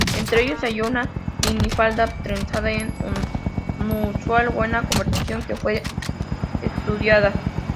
Entre ellos se halló una minifalda trenzada en inusual buena conservación que fue estudiada.